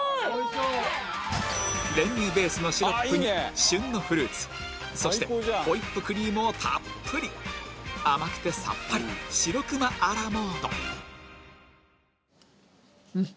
練乳ベースのシロップに旬のフルーツそしてホイップクリームをたっぷり甘くてさっぱりうん